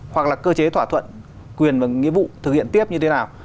hoặc là cơ chế thỏa thuận quyền và nghĩa vụ thực hiện tiếp như thế nào